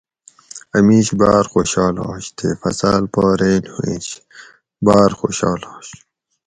اۤ میش باۤر خوشال آش تے فصاۤل پا رین ھووینش باۤر خوشال آش